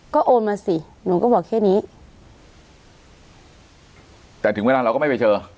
ก็โอนมาสิหนูก็บอกแค่นี้แต่ถึงเวลาเราก็ไม่ไปเจอ